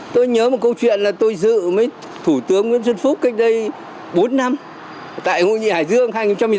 tôi nhớ một câu chuyện là tôi dự với thủ tướng nguyễn xuân phúc cách đây bốn năm tại hội nghị hải dương hai nghìn một mươi sáu